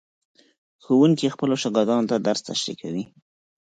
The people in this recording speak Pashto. ښوونکي خپلو شاګردانو ته درس تشریح کوي.